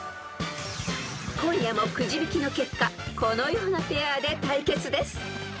［今夜もくじ引きの結果このようなペアで対決です］